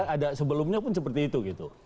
ada sebelumnya pun seperti itu gitu